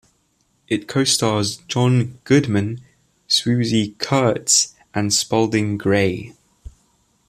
It co-stars John Goodman, Swoosie Kurtz, and Spalding Gray.